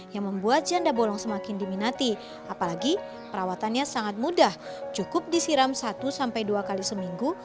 yang membuat janda bolong semakin diminati apalagi perawatannya sangat mudah cukup disiram satu sampai dua kali seminggu